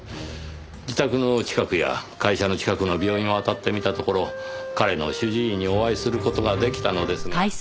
自宅の近くや会社の近くの病院をあたってみたところ彼の主治医にお会いする事が出来たのですが。